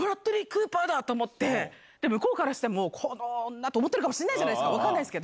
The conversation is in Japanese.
・クーパーだと思って、向こうからしたら、この女と思ってるんかもしれないじゃないですか。